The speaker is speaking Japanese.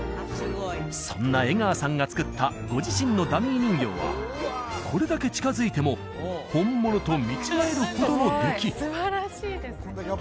そんな江川さんが作ったご自身のダミー人形はこれだけ近づいても本物と見違えるほどの出来！